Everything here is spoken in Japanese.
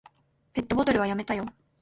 ペットボトルはやめたよ。